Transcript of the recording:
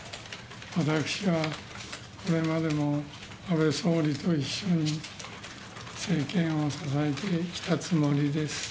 私はこれまで安倍総理と一緒に、政権を支えてきたつもりです。